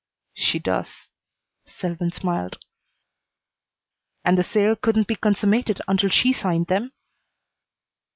"She does." Selwyn smiled. "And the sale couldn't be consummated unless she signed them?"